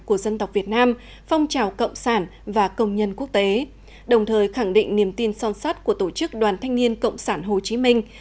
của dân tộc việt nam phong trào cộng sản và công nhân quốc tế đồng thời khẳng định niềm tin son sắt của tổ chức đoàn thanh niên cộng sản hồ chí minh